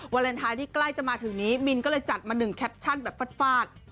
เลนไทยที่ใกล้จะมาถึงนี้มินก็เลยจัดมา๑แคปชั่นแบบฟาด